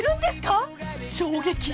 ［衝撃］